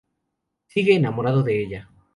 Sigue enamorado de ella.